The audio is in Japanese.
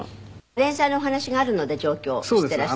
連載のお話があるので上京していらしたって。